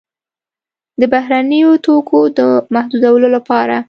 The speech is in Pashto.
د بهرنیو توکو د محدودولو لپاره.